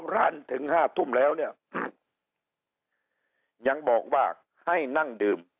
ร้านถึง๕ทุ่มแล้วเนี่ยยังบอกว่าให้นั่งดื่ม